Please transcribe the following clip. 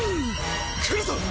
来るぞ！